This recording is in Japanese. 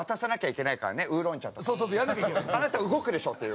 「あなた動くでしょ」って。